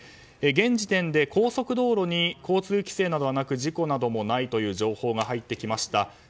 現時点で高速道路に交通規制などはなく事故などもないという情報が入ってきました。